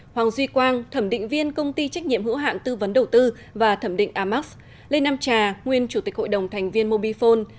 hoàng duy quang thẩm định viên công ty trách nhiệm hữu hạn tư vấn đầu tư và thẩm định amax lê nam trà nguyên chủ tịch hội đồng thành viên mobifone